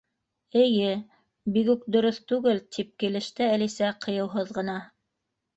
—Эйе, бик үк дөрөҫ түгел, —тип килеште Әлисә ҡыйыуһыҙ ғына.